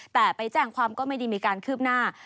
แต่ไปแจ้งความก็ไม่ได้มีการคืบหน้า